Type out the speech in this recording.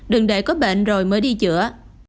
đừng để có bệnh rồi mới đi chữa